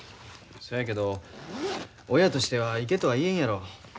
そやけど親としては行けとは言えんやろ。